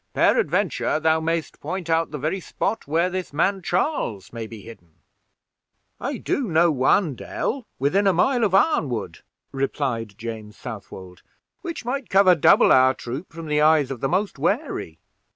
Peradventure thou mayest point out the very spot where this man Charles may be hidden?" "I do know one dell, within a mile of Arnwood," replied James Southwold, "which might cover double our troop from the eyes of the most wary."